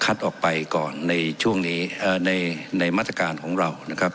ออกไปก่อนในช่วงนี้ในในมาตรการของเรานะครับ